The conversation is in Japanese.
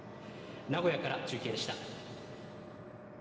名古屋から中継でした。